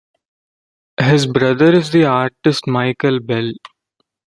His brother is the artist Michael Bell.